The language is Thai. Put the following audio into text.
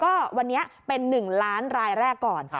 ก็วันนี้เป็น๑ล้านรายแรกก่อน